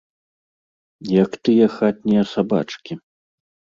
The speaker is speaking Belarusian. Як тыя хатнія сабачкі.